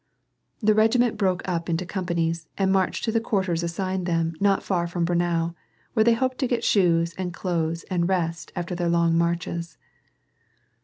The regiment broke up into companies and marched to the quarters assigned them not far from Braunau, where they hoped to get shoes and clothes and rest after their long marches.